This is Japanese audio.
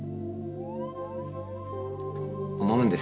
思うんです